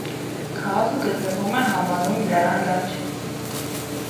Քաղաքը գտնվում է համանուն լեռան լանջերին։